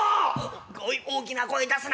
「おい大きな声出すな。